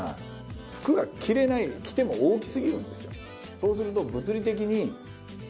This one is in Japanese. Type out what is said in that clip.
そうすると。